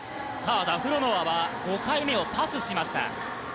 ダフロノワは５回目をパスしました。